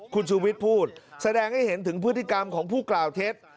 คุณชูวิทย์พูดแสดงให้เห็นถึงพฤติกรรมของผู้กล่าวเท็จ